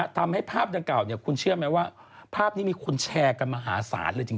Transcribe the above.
ทำให้ภาพดังกล่าวคุณเชื่อไหมว่าภาพนี้มีคนแชร์กันมหาศาลเลยจริง